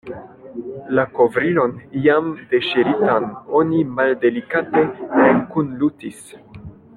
La kovrilon iam deŝiritan oni maldelikate rekunlutis.